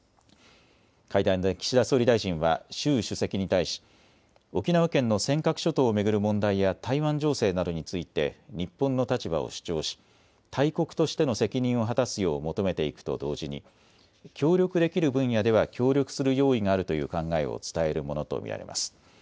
会談で岸田総理大臣は習主席に対し、沖縄県の尖閣諸島を巡る問題や台湾情勢などについて日本の立場を主張し大国としての責任を果たすよう求めていくと同時に協力できる分野では協力する用意があるという考えを伝えるものと見られます。